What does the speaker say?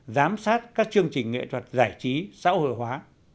giám sát các chương trình nghệ thuật giải trí xã hội hóa